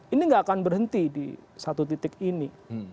ini nggak akan berhenti di satu titik ini